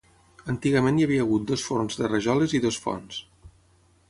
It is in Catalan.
Antigament hi havia hagut dos forns de rajoles i dues fonts.